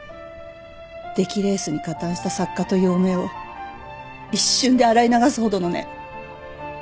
出来レースに加担した作家という汚名を一瞬で洗い流すほどのね。